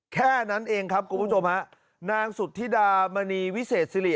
แค่นั้นเองครับคุณผู้ชมฮะนางสุธิดามณีวิเศษสิริ